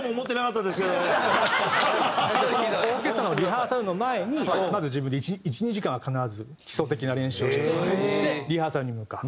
オーケストラのリハーサルの前にまず自分で１２時間は必ず基礎的な練習をして。でリハーサルに向かう。